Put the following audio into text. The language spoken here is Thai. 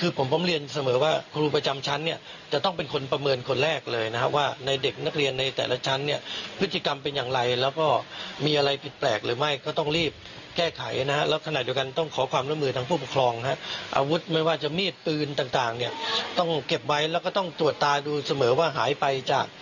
คือผมผมเรียนเสมอว่าครูประจำชั้นเนี่ยจะต้องเป็นคนประเมินคนแรกเลยนะฮะว่าในเด็กนักเรียนในแต่ละชั้นเนี่ยพฤติกรรมเป็นอย่างไรแล้วก็มีอะไรผิดแปลกหรือไม่ก็ต้องรีบแก้ไขนะฮะแล้วขณะเดียวกันต้องขอความร่วมมือทางผู้ปกครองฮะอาวุธไม่ว่าจะมีดปืนต่างเนี่ยต้องเก็บไว้แล้วก็ต้องตรวจตาดูเสมอว่าหายไปจาก